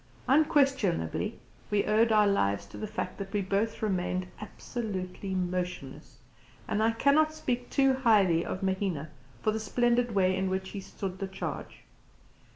Unquestionably we owed our lives to the fact that we both remained absolutely motionless; and I cannot speak too highly of Mahina for the splendid way in which he stood the charge.